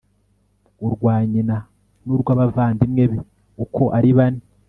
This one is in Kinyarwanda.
urwa nyina n'urw'abavandimwe be uko ari bane